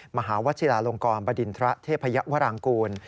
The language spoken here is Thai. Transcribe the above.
มหาวชิลาลงกรบดินทระเทพยวรางกูล